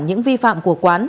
những vi phạm của quán